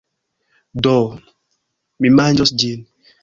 Do. Mi manĝos ĝin.